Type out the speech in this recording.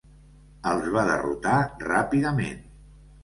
Els va derrotar ràpidament.